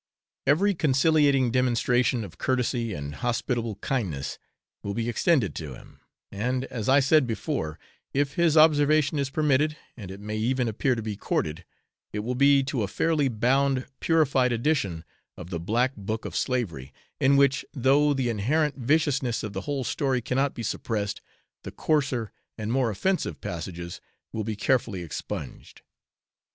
Every conciliating demonstration of courtesy and hospitable kindness will be extended to him, and, as I said before, if his observation is permitted (and it may even appear to be courted), it will be to a fairly bound purified edition of the black book of slavery, in which, though the inherent viciousness of the whole story cannot be suppressed, the coarser and more offensive passages will be carefully expunged.